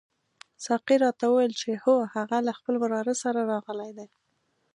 ساقي راته وویل چې هو هغه له خپل وراره سره راغلی دی.